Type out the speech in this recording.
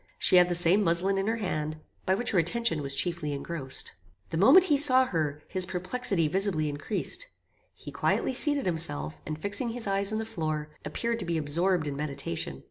She had the same muslin in her hand, by which her attention was chiefly engrossed. The moment he saw her, his perplexity visibly increased. He quietly seated himself, and fixing his eyes on the floor, appeared to be absorbed in meditation.